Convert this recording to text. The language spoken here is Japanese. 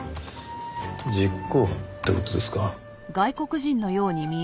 実行犯って事ですか？